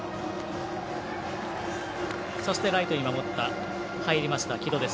そして、ライトに入りました城戸。